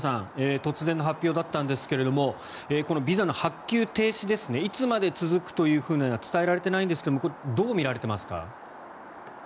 突然の発表だったんですがこのビザの発給停止いつまで続くというふうには伝えられていないんですがこれは、どう見られていますか？